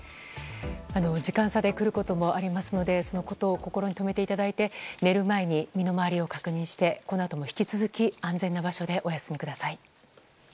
時間差でくることもありますのでそのことを心にとめていただき寝る前に身の回りを確認してこのあとも引き続き安全な場所でお休みください。